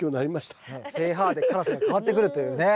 ｐＨで辛さが変わってくるというね。